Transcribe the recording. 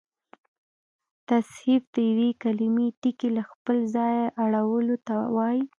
تصحیف د یوې کليمې ټکي له خپله ځایه اړولو ته وا يي.